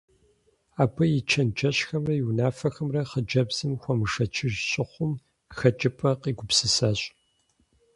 Абы и чэнджэщхэмрэ и унафэхэмрэ хъыджэбзым хуэмышэчыж щыхъум, хэкӀыпӀэ къигупсысащ.